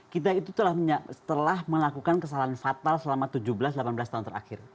kita itu telah melakukan kesalahan fatal selama tujuh belas delapan belas tahun terakhir